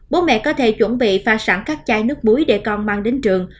bố mẹ có thể chuẩn bị pha sẵn các chai nước muối để con mang đến trường